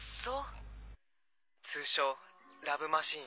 通称「ラブ・マシーン」。